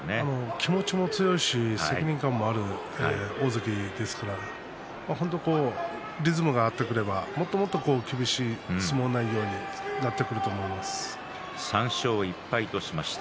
気持ちも強いし責任感のある大関ですから本当にリズムが上がってくればもっともっと厳しい相撲内容に３勝１敗としました。